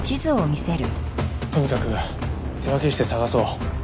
とにかく手分けして捜そう。